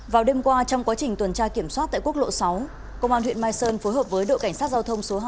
vào đêm qua trong quá trình tuần tra kiểm soát tại quốc lộ sáu công an huyện mai sơn phối hợp với đội cảnh sát giao thông số hai